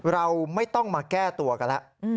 เราไม่ต้องมาแก้ตัวกันแล้ว